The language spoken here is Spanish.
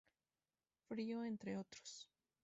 Frío entre otros.